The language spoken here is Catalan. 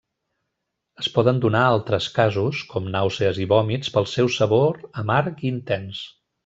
Es poden donar altres casos, com nàusees i vòmits pel seu sabor amarg intens.